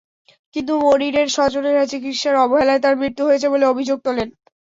কিন্তু মনিরের স্বজনেরা চিকিৎসার অবহেলায় তাঁর মৃত্যু হয়েছে বলে অভিযোগ তোলেন।